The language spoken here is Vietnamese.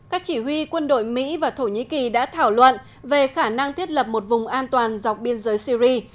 các chỉ huy quân đội mỹ và thổ nhĩ kỳ đã thảo luận về khả năng thiết lập một vùng an toàn dọc biên giới syri